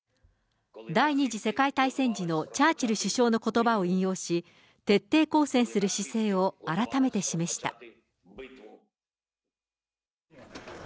第２次世界大戦時のチャーチル首相のことばを引用し、徹底抗戦する姿勢を改めて示した。